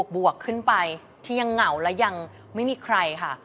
บวกขึ้นไปที่ยังเหงาและยังไม่มีใครค่ะ